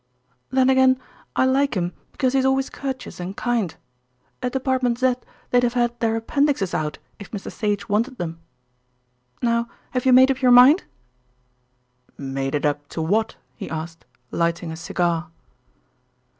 "Then again I like him because he's always courteous and kind. At Department Z they'd have had their appendixes out if Mr. Sage wanted them. Now have you made up your mind?" "Made it up to what?" he asked, lighting a cigar.